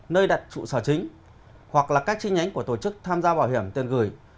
nơi đặt trụ sở chính hoặc là các chi nhánh của tổ chức tham gia bảo hiểm tiền gửi